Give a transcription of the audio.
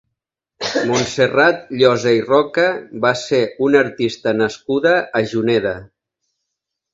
Montserrat Josa i Roca va ser una artista nascuda a Juneda.